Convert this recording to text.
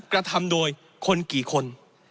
กระทำโดยคนกี่คน